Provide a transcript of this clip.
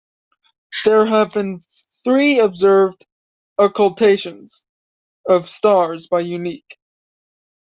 There have been three observed occultations of stars by Eunike.